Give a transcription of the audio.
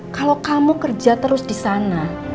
kalo kamu kerja terus disana